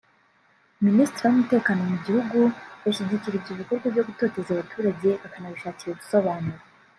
Ministiri w’umutekano mu gihugu bashyigikira ibyo bikorwa byo gutoteza abaturage bakanabishakira ‘ubusobanuro’